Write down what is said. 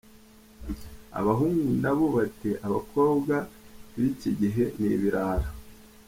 Abahungu nabo bati abakobwa bikigihe ni ibirara !